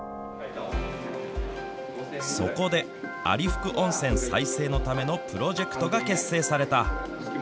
そこで、有福温泉再生のためのプロジェクトが結成された。